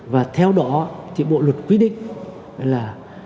và theo đó thì bộ luật quy định là